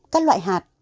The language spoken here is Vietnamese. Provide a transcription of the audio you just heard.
các loại hạt